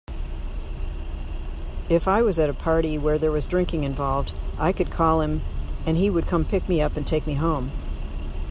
If I was at a party where there was drinking involved, I could call him and he would come pick me up and take me home.